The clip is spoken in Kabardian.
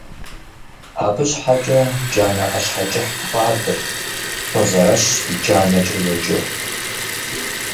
Абы щхьэкӏэ джанэ ӏэщхьэкӏыхь хуадырт, «Созэрэщ и джанэкӏэ» еджэу .